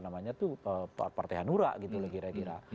seperti yang dialami oleh apa namanya tuh partai hanura gitu lah kira kira